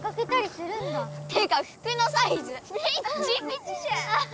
っていうか服のサイズピッチピチじゃん！